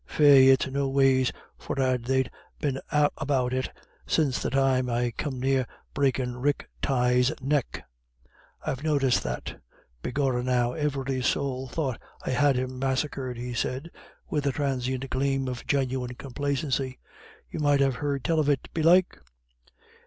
"Faix, it's noways forrard they've been about it since the time I come near breakin' Rick Tighe's neck. I've noticed that. Begorrah, now, ivery sowl thought I had him massacred," he said, with a transient gleam of genuine complacency. "You might have heard tell of it, belike?"